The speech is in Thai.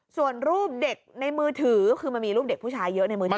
ส่วนรูปเด็กในมือถือคือมันมีรูปเด็กผู้ชายเยอะในมือถือ